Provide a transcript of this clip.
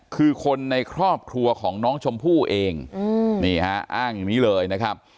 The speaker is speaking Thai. คือคนในครอบครัวของน้องชมพู่เองนี่ฮะอ้างอย่างนี้เลยนะครับ